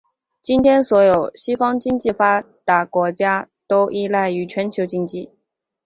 今天所有的西方发达国家都依赖于全球经济。